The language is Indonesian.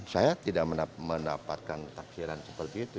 saya tidak mendapatkan tafsiran seperti itu